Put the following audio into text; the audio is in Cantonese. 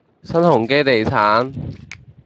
新鴻基地產